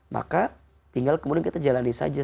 maka tinggal kemudian kita jalani saja